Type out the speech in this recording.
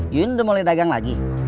yun udah mulai dagang lagi